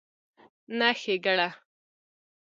نه ښېګړه